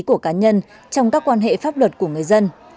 của cá nhân trong các quan hệ pháp luật của người dân